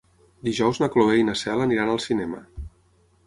Dijous na Cloè i na Cel aniran al cinema.